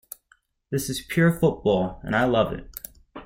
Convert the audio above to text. This is pure football and I love it.